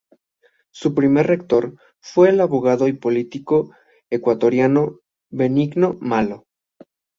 Su primer rector fue el abogado y político ecuatoriano Benigno Malo.